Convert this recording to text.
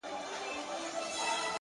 د هيندارو يوه لار کي يې ويده کړم’